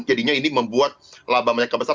jadinya ini membuat laba mereka besar